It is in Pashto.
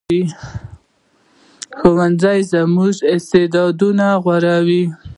ښوونځی زموږ استعدادونه غوړوي